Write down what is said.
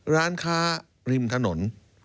ร้านค้าริมถนน